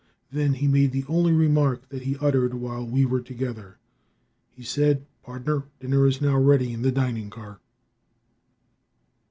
Then he made the only remark that he uttered while we were together. He said: "Pardner, dinner is now ready in the dining car."